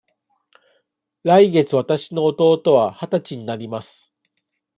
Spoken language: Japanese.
来月わたしの弟は二十歳になります。